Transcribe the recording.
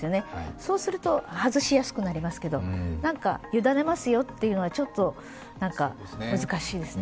そうすると外しやすくなりますけれども、何か委ねますよというのはちょっと難しいですね。